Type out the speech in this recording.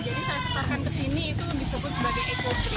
jadi saya setelahkan kesini itu disebut sebagai ekobrik